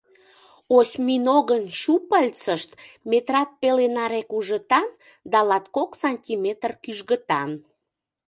Осьминогын щупальцышт метрат пеле наре кужытан да латкок сантиметр кӱжгытан.